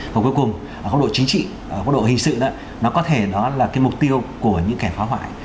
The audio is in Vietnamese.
và cuối cùng có độ chính trị có độ hình sự đó nó có thể đó là cái mục tiêu của những kẻ phá hoại